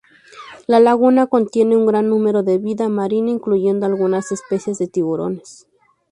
La laguna contiene un gran número de vida marina, incluyendo algunas especies de tiburones.